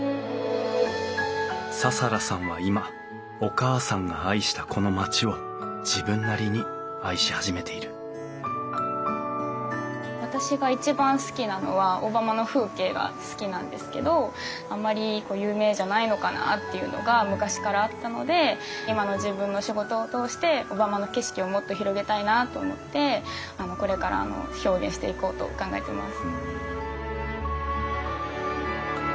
紗楽さんは今お母さんが愛したこの町を自分なりに愛し始めている私が一番好きなのは小浜の風景が好きなんですけどあんまり有名じゃないのかなというのが昔からあったので今の自分の仕事を通して小浜の景色をもっと広げたいなと思ってこれから表現していこうと考えてます。